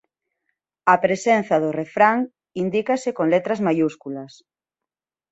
A presenza do refrán indícase con letras maiúsculas.